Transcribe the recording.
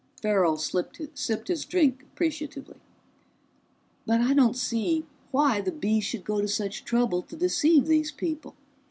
Farrell sipped his drink appreciatively. "But I don't see why the Bees should go to such trouble to deceive these people.